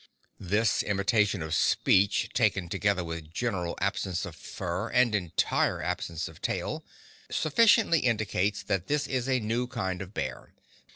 This imitation of speech, taken together with general absence of fur and entire absence of tail, sufficiently indicates that this is a new kind of bear.